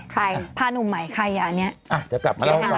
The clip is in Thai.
ใครพาหนุ่มใหม่ใครอันนี้อ่ะจะกลับมาเล่าค่ะ